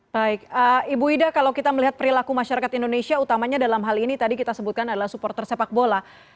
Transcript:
baik ibu ida kalau kita melihat perilaku masyarakat indonesia utamanya dalam hal ini tadi kita sebutkan adalah supporter sepak bola